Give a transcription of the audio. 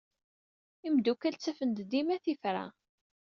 Imeddukal ttafen-d dima tifrat.